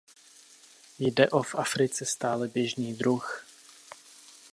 Jde o v Africe stále běžný druh.